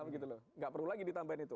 tidak perlu lagi ditambahin itu